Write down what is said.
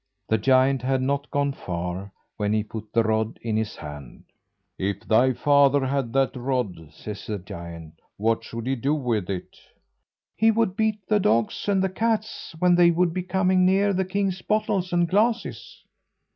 The giant had not gone far when he put the rod in his hand. "If thy father had that rod," says the giant, "what would he do with it?" "He would beat the dogs and the cats when they would be coming near the king's bottles and glasses."